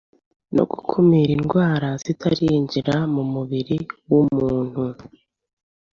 no gukumira indwara zitarinjira mu mubiri w’umuntu.